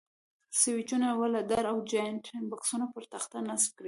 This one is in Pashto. سویچونه، ولډر او جاینټ بکسونه پر تخته نصب کړئ.